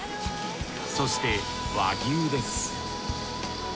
そして和牛です